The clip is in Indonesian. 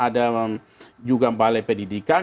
ada juga balai pendidikan